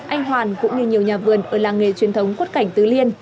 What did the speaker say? anh hoàn cũng như nhiều nhà vườn ở làng nghề truyền thống quất cảnh tứ liên